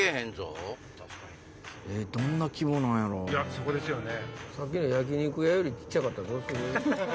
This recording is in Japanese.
そこですよね。